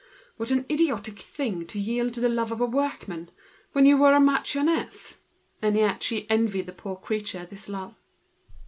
What an idiotic thing to yield to the love of a workman, when one was a marchioness! And yet she envied her this love.